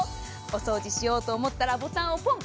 お掃除しようと思ったらボタンをポン。